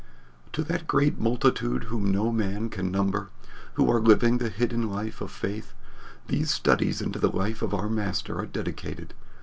'" To that great multitude whom no man can number, who are living the hidden life of faith, these studies into the life of our Master are dedicated.